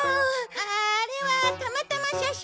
あれはたまたま写真が。